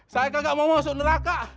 saya kagak mau masuk neraka